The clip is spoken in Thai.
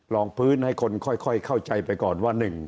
ลองพื้นให้คนค่อยเข้าใจไปก่อนว่า